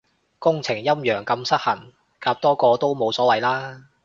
工程陰陽咁失衡，夾多個都冇所謂啦